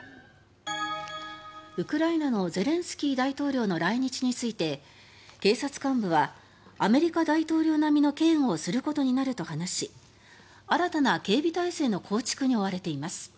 ウクライナのゼレンスキー大統領の来日について警察幹部はアメリカ大統領並みの警護をすることになると話し新たな警備態勢の構築に追われています。